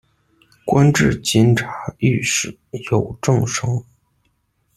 官至监察御史，有政声。